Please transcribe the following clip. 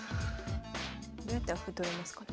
どうやったら歩取れますかね。